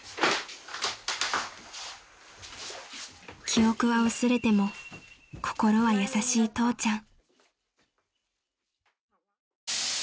［記憶は薄れても心は優しい父ちゃん］